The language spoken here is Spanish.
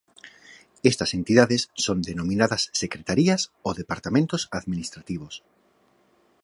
Estas Entidades son denominadas Secretarías o Departamentos Administrativos.